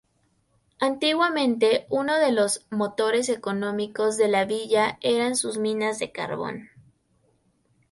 Antiguamente uno de los motores económicos de la villa eran sus minas de carbón.